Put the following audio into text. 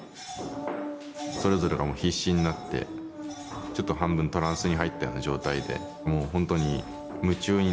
それぞれがもう必死になってちょっと半分トランスに入ったような状態でもう本当に夢中になっているというか。